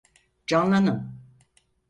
Canlanın!